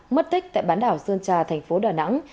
mất tích tại bán đảo sơn trà thành phố đà nẵng